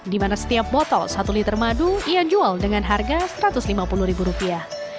di mana setiap botol satu liter madu ia jual dengan harga satu ratus lima puluh ribu rupiah